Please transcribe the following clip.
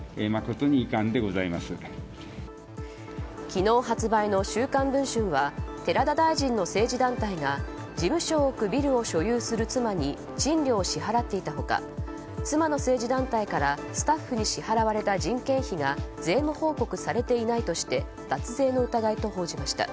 昨日発売の「週刊文春」は寺田大臣の政治団体が事務所を置くビルを所有する妻に賃料を支払っていた他妻の政治団体からスタッフに支払われた人件費が税務報告されていないとして脱税の疑いと報じました。